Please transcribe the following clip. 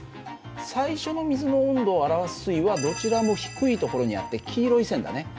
最初の水の温度を表す水位はどちらも低いところにあって黄色い線だね。